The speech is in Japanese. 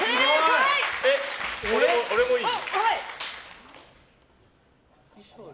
俺もいい？